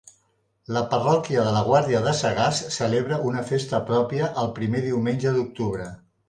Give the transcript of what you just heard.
La parròquia de la Guàrdia de Sagàs celebra una festa pròpia el primer diumenge d'octubre.